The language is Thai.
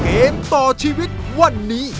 เกมต่อชีวิตวันนี้